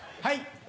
はい。